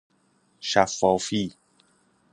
شفافی